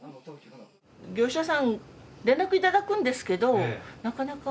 業者さん、連絡いただくんですけど、なかなか。